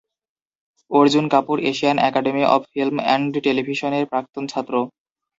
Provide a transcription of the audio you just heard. Arjun Kapoor Asian Academy of Film and টেলিভিশনের প্রাক্তন ছাত্র।